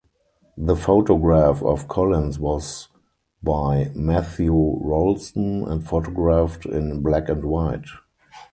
The photograph of Collins was by Matthew Rolston and photographed in black and white.